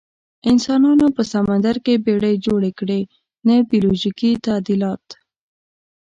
انسانانو په سمندر کې بیړۍ جوړې کړې، نه بیولوژیکي تعدیلات.